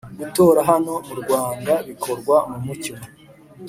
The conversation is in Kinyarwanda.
gutora hano murwanda bikorwa mumucyo